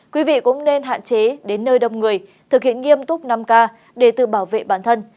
quý vị cũng nên hạn chế đến nơi đông người thực hiện nghiêm túc năm k để tự bảo vệ bản thân